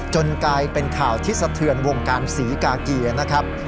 กลายเป็นข่าวที่สะเทือนวงการศรีกาเกียนะครับ